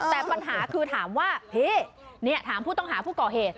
แต่ปัญหาคือถามว่าพี่ถามผู้ต้องหาผู้ก่อเหตุ